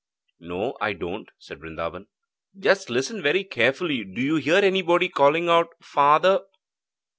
'No, I don't,' said Brindaban. 'Just listen very carefully. Do you hear anybody calling out "Father"?'